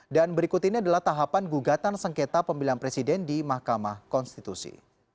dan berikut ini adalah tahapan gugatan sengketa pemilihan presiden di mahkamah konstitusi